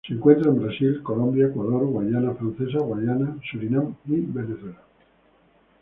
Se encuentra en Brasil, Colombia, Ecuador, Guayana Francesa, Guayana, Surinam y Venezuela.